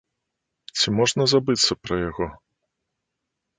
Ці можна забыцца пра яго?